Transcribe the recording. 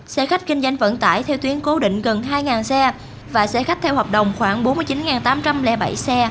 xe khách kinh doanh vận tải theo tuyến cố định gần hai xe và xe khách theo hợp đồng khoảng bốn mươi chín tám trăm linh bảy xe